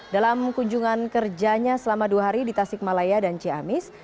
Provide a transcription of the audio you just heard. dalam kunjungan kerjanya selama dua hari di tasikmalaya dan ciamis